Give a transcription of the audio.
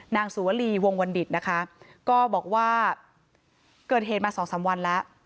นางสุวลีวงวันดิตนะคะก็บอกว่าเกิดเหตุมาสองสามวันแล้ว